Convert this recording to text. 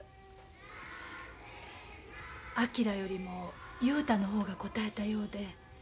昭よりも雄太の方がこたえたようで。